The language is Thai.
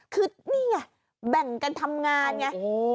คือนี่ไงแบ่งกันทำงานไง